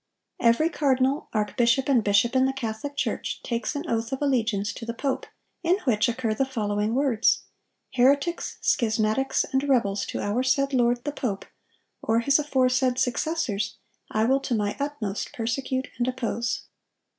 '... "Every cardinal, archbishop, and bishop in the Catholic Church takes an oath of allegiance to the pope, in which occur the following words: 'Heretics, schismatics, and rebels to our said lord (the pope), or his aforesaid successors, I will to my utmost persecute and oppose.